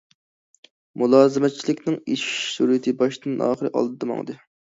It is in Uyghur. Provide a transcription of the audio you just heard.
مۇلازىمەتچىلىكنىڭ ئېشىش سۈرئىتى باشتىن- ئاخىر ئالدىدا ماڭدى.